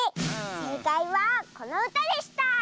せいかいはこのうたでした！